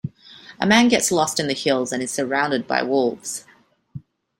A man gets lost in the hills and is surrounded by wolves.